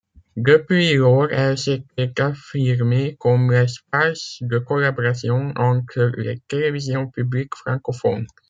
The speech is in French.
Depuis lors, elle s’était affirmée comme l’espace de collaboration entre les télévisions publiques francophones.